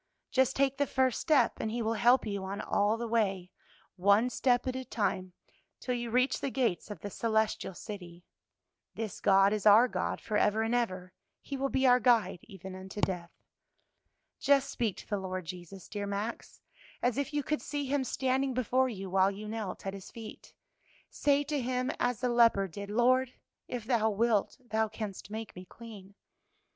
"Just take the first step, and He will help you on all the way, one step at a time, till you reach the gates of the celestial city. 'This God is our God forever and ever, He will be our guide even unto death.' "Just speak to the Lord Jesus, dear Max, as if you could see Him standing before you while you knelt at His feet; say to Him as the leper did, 'Lord, if thou wilt, thou canst make me clean.'